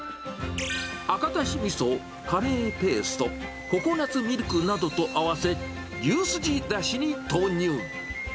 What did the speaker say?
赤だしみそ、カレーペースト、ココナツミルクなどと合わせ、牛すじだしに投入。